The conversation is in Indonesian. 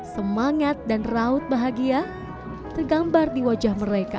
semangat dan raut bahagia tergambar di wajah mereka